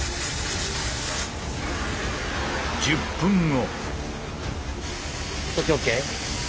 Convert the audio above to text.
１０分後。